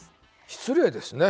失礼ですね。